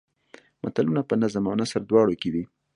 متلونه په نظم او نثر دواړو کې وي